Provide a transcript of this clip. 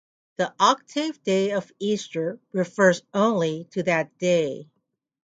The Octave Day of Easter refers only to that day.